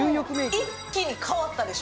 一気に変わったでしょ。